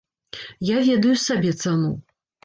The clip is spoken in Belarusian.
Я ведаю сабе цану.